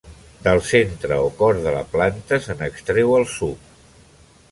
Del centre o cor de la planta se n’extreu el suc.